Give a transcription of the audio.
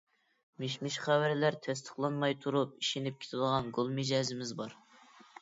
مىش-مىش خەۋەرلەر تەستىقلانماي تۇرۇپ ئىشىنىپ كېتىدىغان گول مىجەزىمىز بار.